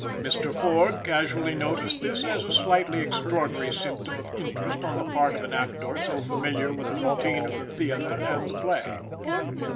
Mr. Ford casually noticed this as a slightly extraordinary symptom of interest on the part of an actor so familiar with the routine of the theater and the play.